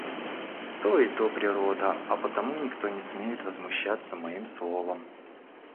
То и то природа, а потому никто не смеет возмущаться моим словом.